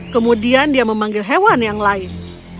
kemudian dia memanggil hewan yang lain